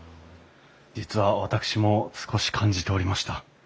実は私も少し感じておりました。